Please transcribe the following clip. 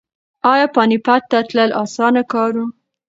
ایا پاني پت ته تلل اسانه کار و؟